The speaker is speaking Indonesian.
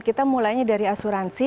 kita mulainya dari asuransi